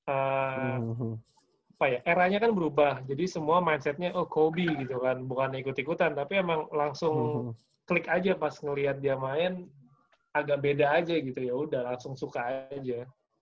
apa ya eranya kan berubah jadi semua mindsetnya oh coby gitu kan bukan ikut ikutan tapi emang langsung klik aja pas ngeliat dia main agak beda aja gitu ya udah langsung suka aja